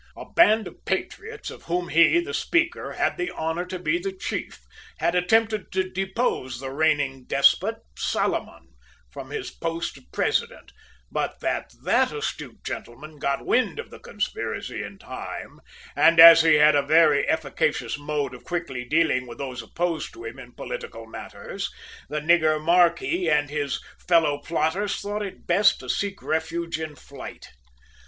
A band of patriots, of whom he, the speaker, had the honour to be the chief, had attempted to depose the reigning despot Salomon from his post of president, but that that astute gentleman got wind of the conspiracy in time, and as he had a very efficacious mode of quickly dealing with those opposed to him in political matters, the nigger marquis and his fellow plotters thought it best to seek refuge in flight.